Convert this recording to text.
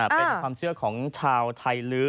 เป็นความเชื่อของชาวไทยลื้อ